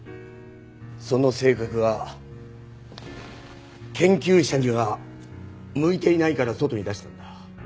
その性格が研究者には向いていないから外へ出したんだ。